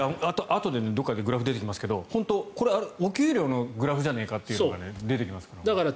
あとでどこかでグラフが出てきますが本当にこれお給料のグラフじゃないかというのが出てきますから。